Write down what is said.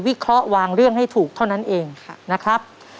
เคราะห์วางเรื่องให้ถูกเท่านั้นเองนะครับ